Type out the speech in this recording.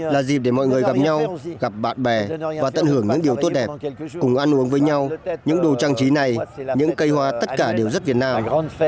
là dịp để mọi người gặp nhau gặp bạn bè và tận hưởng những điều tốt đẹp cùng ăn uống với nhau những đồ trang trí này những cây hoa tất cả đều rất việt nam